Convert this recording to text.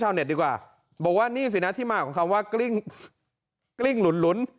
ชาวเน็ตดีกว่าบอกว่านี่สินะที่มากว่าคำว่ากลิ้งกลิ้งหลุน